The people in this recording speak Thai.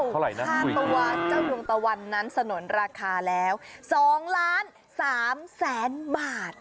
เพราะว่าเจ้าดวงตะวันนั้นสนุนราคาแล้ว๒ล้าน๓แสนบาท